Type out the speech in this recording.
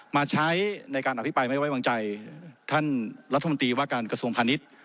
มาใช้ในการอภิปรายไม่ไว้วางใจท่านรัฐมนตรีว่าการกระทรวงพาณิชย์